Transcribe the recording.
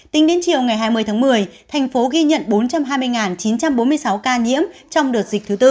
tính đến chiều ngày hai mươi tháng một mươi thành phố ghi nhận bốn trăm hai mươi chín trăm bốn mươi sáu ca nhiễm trong đợt dịch thứ tư